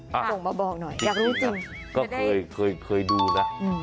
ส่งมาบอกหน่อยอยากรู้จริงก็เคยเคยดูนะอืม